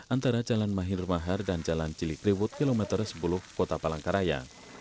antara jalan mahir mahar dan jalan cilikriwut kilometer sepuluh kota palangkaraya